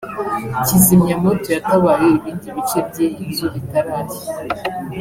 Kizimyamoto yatabaye ibindi bice by’iyi nzu bitarashya